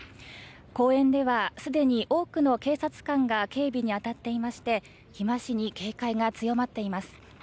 公園ではすでに多くの警察官が警備に当たっていまして日増しに警戒が強まっています。